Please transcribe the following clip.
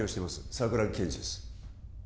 桜木建二です